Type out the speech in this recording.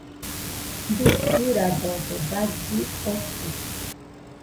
Dukɨradodo galli ote.